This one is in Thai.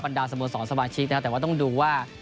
ดาสโมสรสมาชิกนะครับแต่ว่าต้องดูว่า